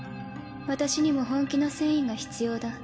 私にも本気の戦意が必要だ